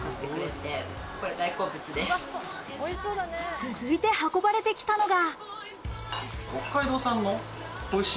続いて運ばれてきたのが。